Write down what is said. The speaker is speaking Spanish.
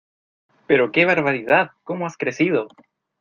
¡Pero que barbaridad, como has crecido!